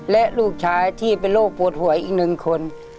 และลูกชายที่เป็นโรคปวดหัวอีก๑คน